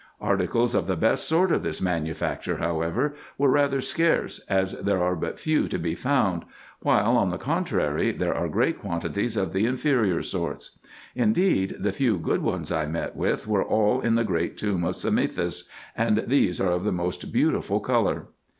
Articles of the best sort of this manufacture, however, were rather scarce, as there are but few to be found ; while, on the contrary, there are great quantities of the inferior sorts. Indeed, the few good ones I met with were all in the great tomb of Samethis, and these are of the most beautiful colour.